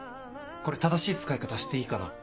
これ正しい使い方していいかな？